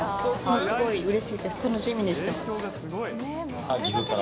すごいうれしいです、楽しみにし岐阜から。